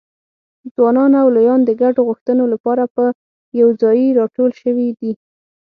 ځوانان او لویان د ګډو غوښتنو لپاره په یوځایي راټول شوي دي.